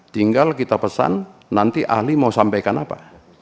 tinggal kita pesan nanti ahli mau sampaikan apa